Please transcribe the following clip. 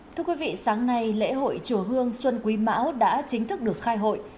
thưa quý vị sáng nay lễ hội chùa hương xuân quý mão đã chính thức được khai hội